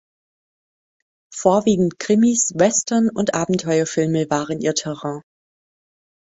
Vorwiegend Krimis, Western und Abenteuerfilme waren ihr Terrain.